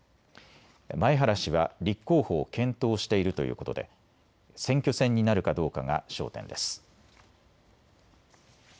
前原氏は立候補を検討しているということで選挙戦になるかどうかが焦点です。